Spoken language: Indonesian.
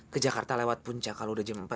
ke jakarta lewat puncak kalau udah jam empat